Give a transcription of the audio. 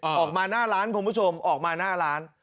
ออกมาหน้าร้านคุณผู้ชมออกมาหน้าร้าน